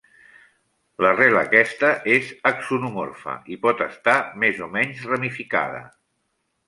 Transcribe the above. La rel, aquesta és axonomorfa i pot estar més o menys ramificada.